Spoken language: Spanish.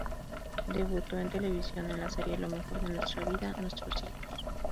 Debutó en televisión en la serie "Lo mejor de nuestra vida... nuestros hijos".